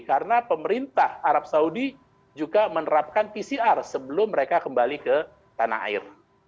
karena pemerintah arab saudi juga menerapkan pcr sebelum mereka kembali ke tanah air